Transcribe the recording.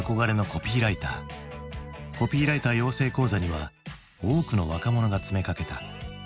コピーライター養成講座には多くの若者が詰めかけた。